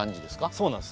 そうなんです。